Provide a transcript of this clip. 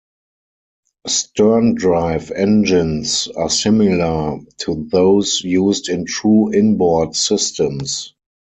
Sterndrive engines are similar to those used in true inboard systems.